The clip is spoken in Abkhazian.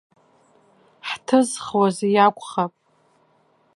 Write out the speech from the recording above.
Ҳҭызхуаз иакәхап.